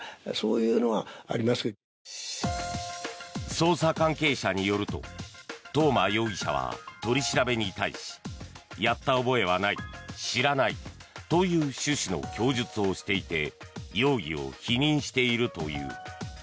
捜査関係者によると東間容疑者は取り調べに対しやった覚えはない、知らないという趣旨の供述をしていて容疑を否認しているという。